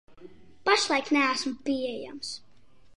Pašlaik neesmu pieejams.